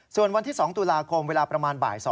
ส่วนวันที่๒ตุลาคมเวลาประมาณบ่าย๒